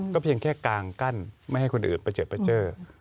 เพียงแค่กางกั้นไม่ให้คนอื่นไปเจอ